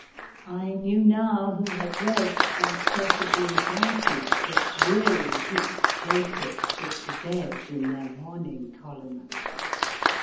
I knew now who had read and possibly indited the dreary Jiic jacets of the dead in their mourning columns.